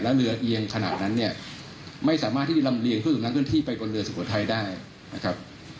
และเรือเอียงขนาดนั้นเนี่ยไม่สามารถที่จะรำเรียงขึ้นสู่น้ำเคลื่อนที่ไปบนเรือสุขธัยได้นะครับ